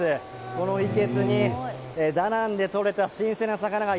この生けすにダナンでとれた新鮮な魚が